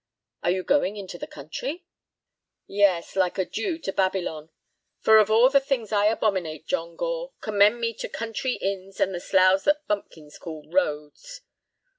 "Are you going into the country?" "Yes, like a Jew to Babylon. For of all the things I abominate, John Gore, commend me to country inns and the sloughs that bumpkins call roads.